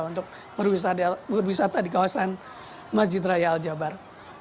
untuk berwisata di kawasan masjid raya al jabar